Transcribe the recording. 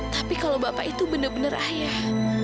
tapi kalau bapak itu benar benar ayah